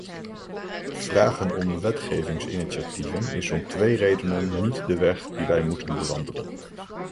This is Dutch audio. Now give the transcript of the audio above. Vragen om wetgevingsinitiatieven is om twee redenen niet de weg die wij moeten bewandelen.